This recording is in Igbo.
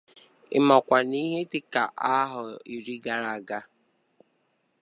Ị màkwà na n'ihe dịka ahọ iri gara aga